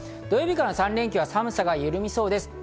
土曜日からの３連休は寒さが緩みそうです。